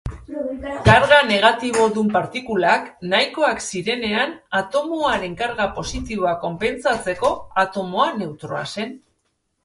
Karga negatibodun partikulak nahikoak zirenean atomoaren karga positiboa konpentsatzeko, atomoa neutroa zen.